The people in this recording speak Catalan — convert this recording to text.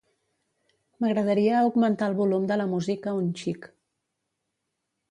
M'agradaria augmentar el volum de la música un xic.